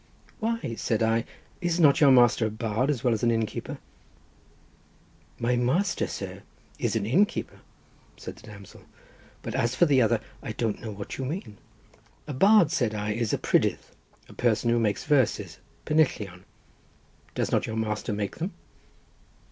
"Why," said I, "is not your master a bard as well as an innkeeper?" "My master, sir, is an innkeeper," said the damsel; "but as for the other, I don't know what you mean." "A bard," said I, "is a prydydd, a person who makes verses—pennillion; does not your master make them?"